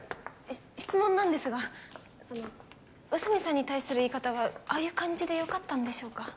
し質問なんですがその宇佐美さんに対する言い方はああいう感じで良かったんでしょうか？